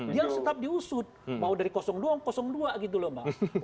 dia harus tetap diusut mau dari dua dua ratus dua gitu loh mak